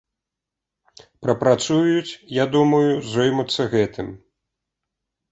Прапрацуюць, я думаю, зоймуцца гэтым.